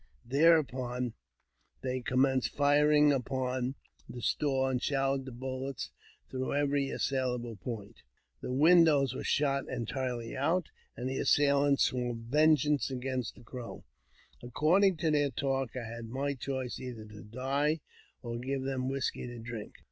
Thereupon they commenced firing upon the store, and showered the bullets through every assailable point. The windows were shot entirely out, and the assailants swore vengeance against the Crow. According to their talk, I had my choice either to die or give them whisky to drink.